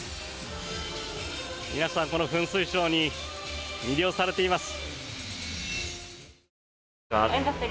皆さん、この噴水ショーに魅了されています。